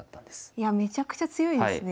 いやめちゃくちゃ強いですね。